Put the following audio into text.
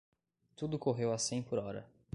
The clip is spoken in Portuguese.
Tudo correu a cem por hora.